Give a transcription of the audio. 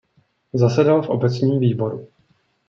Zasedal v obecním výboru.